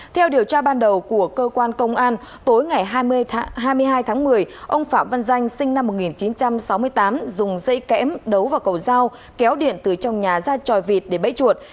theo điều tra ban đầu của cơ quan công an tối ngày hai mươi hai tháng một mươi ông phạm văn danh sinh năm một nghìn chín trăm sáu mươi tám dùng dây kẽm đấu vào cầu dao kéo điện từ trong nhà ra tròi vịt để bẫy chuột